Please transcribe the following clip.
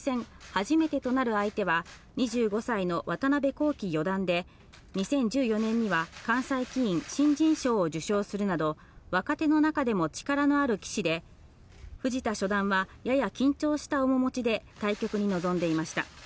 初めてとなる相手は２５歳の渡辺貢規四段で２０１４年には関西棋院新人賞を受賞するなど若手の中でも力のある棋士で、藤田初段はやや緊張した面持ちで対局に臨んでいました。